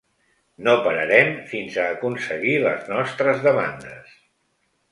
No pararem fins a aconseguir les nostres demandes.